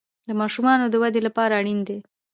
د ماشومانو د ودې لپاره اړین دي.